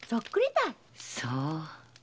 そう。